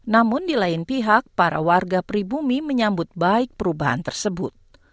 namun di lain pihak para warga pribumi menyambut baik perubahan tersebut